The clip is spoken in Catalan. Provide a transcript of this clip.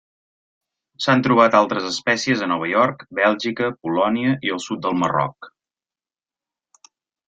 S'han trobat altres espècies a Nova York, Bèlgica, Polònia i el sud del Marroc.